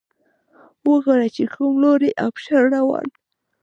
وګوره چې کوم لوری ابشار روان